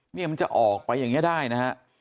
เนี่ยมันจะออกไปอย่างนี้ได้นะฮะ